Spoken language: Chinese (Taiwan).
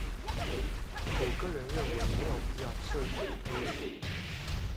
我個人認為沒有必要設立很多組